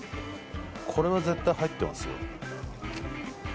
これは絶対入ってますよ